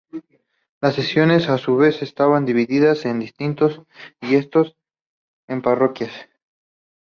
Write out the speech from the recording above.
Las secciones a su vez estaban divididas en distritos y estos en parroquias.